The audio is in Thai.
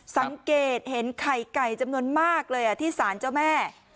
สังเกตเห็นไข่ไก่จำนวนมากเลยที่สารเจ้าแม่